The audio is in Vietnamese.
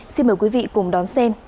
xin mời quý vị cùng đón xem